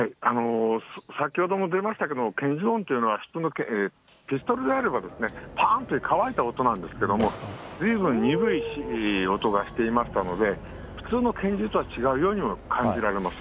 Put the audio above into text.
先ほども出ましたけど、拳銃音っていうのは、ピストルであればぱーんという乾いた音なんですけれども、ずいぶん鈍い音がしていましたので、普通の拳銃とは違うようにも感じられます。